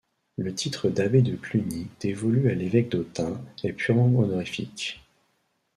Le titre d'abbé de Cluny dévolu à l'évêque d'Autun est purement honorifique.